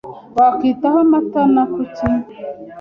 Wakwitaho amata na kuki?